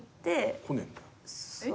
来ねえんだよ。